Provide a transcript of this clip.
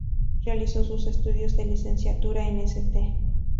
Realizó sus estudios de licenciatura en St.